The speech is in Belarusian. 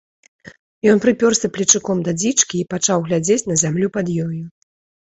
Ён прыпёрся плечуком да дзічкі і пачаў глядзець на зямлю пад ёю.